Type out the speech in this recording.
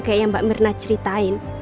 gigi sudah selesai